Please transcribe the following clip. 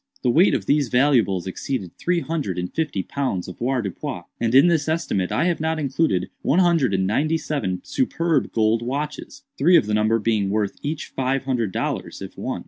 The weight of these valuables exceeded three hundred and fifty pounds avoirdupois; and in this estimate I have not included one hundred and ninety seven superb gold watches; three of the number being worth each five hundred dollars, if one.